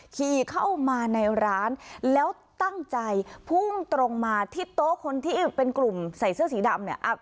ขี่เข้ามาในร้านแล้วตั้งใจพุ่งตรงมาที่โต๊ะคนที่เป็นกลุ่มใส่เสื้อสีดำเนี่ย